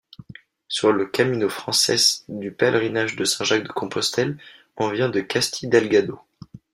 Sur le Camino francés du pèlerinage de Saint-Jacques-de-Compostelle, on vient de Castidelgado.